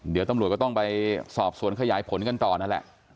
เดี๋ยวตำรวจก็ต้องไปสอบสวนขยายผลกันต่อนั่นแหละ